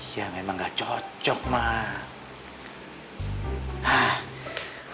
iya memang gak cocok mah